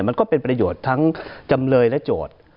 มันก็เป็นประโยชน์ทั้งจำเลยและโจทย์